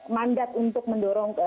mandat untuk mendorong